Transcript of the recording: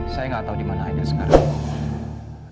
saya tidak tahu di mana aida sekarang ibu